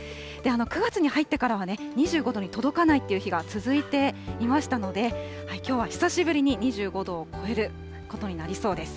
９月に入ってからは、２５度に届かないっていう日が続いていましたので、きょうは久しぶりに２５度を超えることになりそうです。